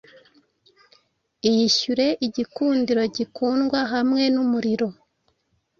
Iyishyure igikundiro-gikundwa hamwe numuriro